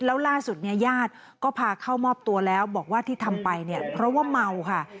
แล้วล่าสุดเนี่ยญาติก็พาเข้ามอบตัวแล้วบอกว่าที่ทำไปเนี่ยเพราะว่าเมาค่ะ